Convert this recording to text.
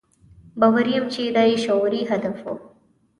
باوري یم چې دا یې شعوري هدف و.